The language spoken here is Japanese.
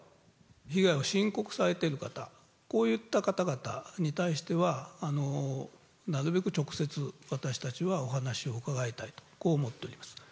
被害を申告されている方、こういった方々に対しては、なるべく直接、私たちはお話を伺いたい、こう思っております。